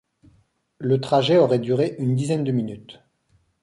Le trajet aurait duré une dizaine de minutes.